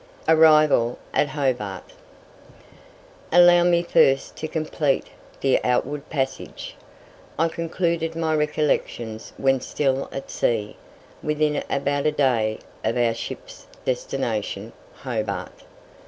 ARRIVAL AT HOBART. Allow me first to complete the outward passage. I concluded my "Recollections" when still at sea, within about a day of our ship's destination, Hobart.